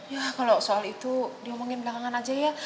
ya kalau soal itu diomongin belakangan aja ya